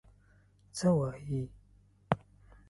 _څه وايي؟